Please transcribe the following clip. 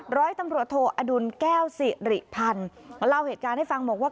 ร้อยตำรวจโทอดุลแก้วสิริพันธ์มาเล่าเหตุการณ์ให้ฟังบอกว่า